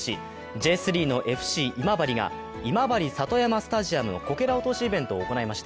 Ｊ３のＦＣ今治が今治里山スタジアムのこけら落としイベントを行いました。